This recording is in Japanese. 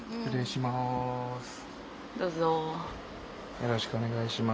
よろしくお願いします。